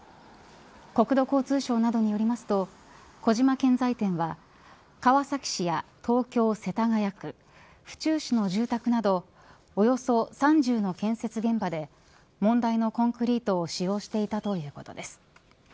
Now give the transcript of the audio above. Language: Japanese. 国土交通省などによりますと小島建材店は川崎市や東京、世田谷区府中市の住宅などおよそ３０の建設現場で問題のコンクリートを使用していたということです。